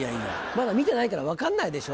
まだ見てないから分かんないでしょ？